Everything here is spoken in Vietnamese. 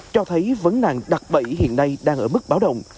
cho thấy vấn nạn đặt bẫy hiện nay đang ở mức báo động